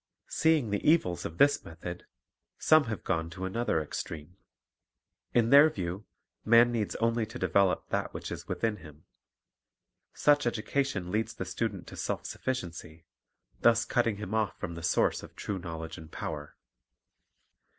Seeing the evils of this method, some have gone to another extreme. In their view, man needs only to develop that which is within him. Such education leads the student to self sufficiency, thus cutting him off from the source of true knowledge and power.